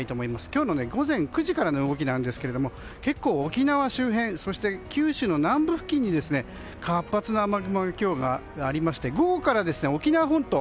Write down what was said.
今日の午前９時からの動きですが結構、沖縄周辺そして九州の南部付近に活発な雨雲が今日はありまして午後から沖縄本島